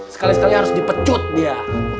sekali sekali harus dipecut dia